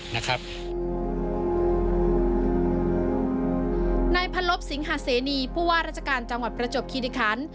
นายพันลบสิงหาเสนีผู้ว่าราชการจังหวัดประจบคิริคัน